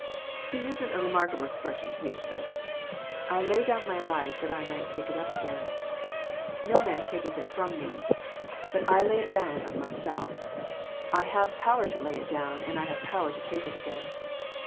He uses a remarkable expression to teach this :^' I lay down my life that I might take it again. No man taketh it from Me, but I lay it JOHN, CHAP. X. 191 down of myself. I have power to lay it down, and I have power to take it again."